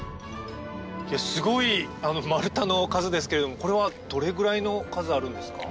すごい丸太の数ですけれどもこれはどれぐらいの数あるんですか？